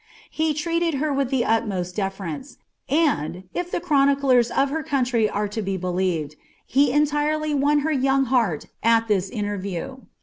Ik treated her with the utmost deference; and, if the chrotiicln* nf kci country are to be believed, he entirely won her young heart at iliii ia> lerriew.